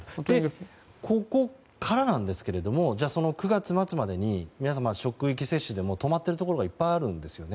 ここからなんですが９月末までに皆様、職域接種でも止まっているところがいっぱいあるんですよね。